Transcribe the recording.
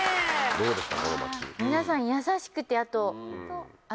どうでした？